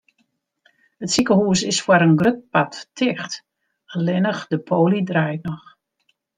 It sikehûs is foar in grut part ticht, allinnich de poly draait noch.